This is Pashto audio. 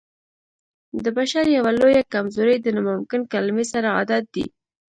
د بشر يوه لويه کمزوري د ناممکن کلمې سره عادت دی.